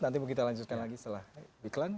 nanti kita lanjutkan lagi setelah diklan